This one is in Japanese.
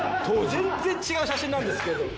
全然違う写真なんですけど。